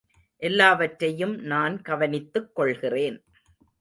எல்லாவற்றையும் நான் கவனித்துக் கொள்கிறேன்.